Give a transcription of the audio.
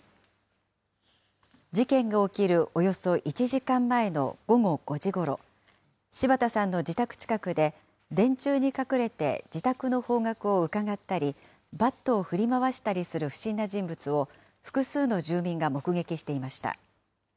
事件が起きるおよそ１時間前の午後５時ごろ、柴田さんの自宅近くで、電柱に隠れて自宅の方角をうかがったり、バットを振り回したりする不審な人物を、複数の住民が目撃していました。